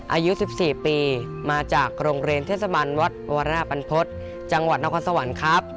อายุ๑๔ปีมาจากโรงเรียนเทศบันวัดวรปันพฤษจังหวัดนครสวรรค์ครับ